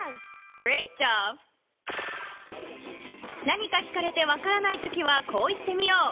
何か聞かれて分からないときはこう言ってみよう。